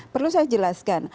perlu saya jelaskan